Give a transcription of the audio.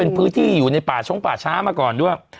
เป็นพื้นที่อยู่ในป่าชงป่าช้ามาก่อนด้วย